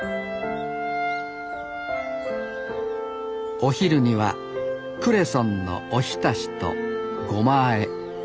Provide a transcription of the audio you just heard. お昼にはクレソンのおひたしとごまあえ